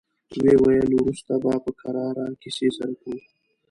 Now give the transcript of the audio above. ويې ويل: وروسته به په کراره کيسې سره کوو.